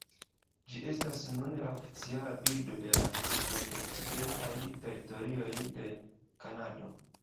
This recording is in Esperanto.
Ĝi estas nune la oficiala birdo de la Nordokcidentaj Teritorioj de Kanado.